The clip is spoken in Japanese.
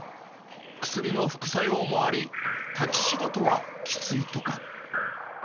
薬の副作用もあり、立ち仕事はきついとか。